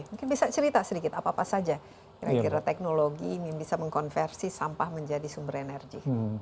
mungkin bisa cerita sedikit apa apa saja kira kira teknologi yang bisa mengkonversi sampah menjadi sumber energi